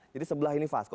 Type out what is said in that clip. jadi sebelah ini vasko